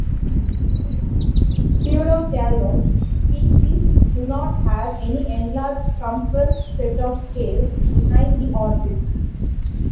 "Pseudocalotes" species do not have any enlarged compressed set of scales behind the orbit.